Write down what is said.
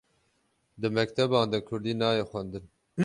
Di mekteban de Kurdî nayê xwendin